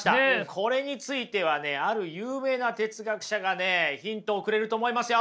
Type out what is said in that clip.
これについてはねある有名な哲学者がねヒントをくれると思いますよ。